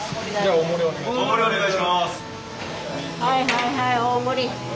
はいはいはい大盛り。